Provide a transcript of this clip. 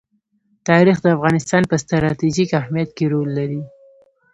تاریخ د افغانستان په ستراتیژیک اهمیت کې رول لري.